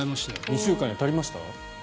２週間で足りました？